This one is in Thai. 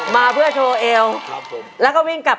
แล้วเป็นเมื่อไหนนะครับ